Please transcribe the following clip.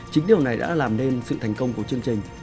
chính điều này đã làm nên sự thành công của chương trình